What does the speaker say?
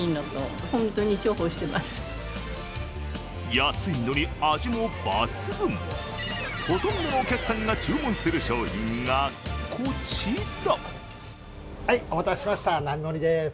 安いのに味も抜群、ほとんどのお客さんが注文する商品がこちら。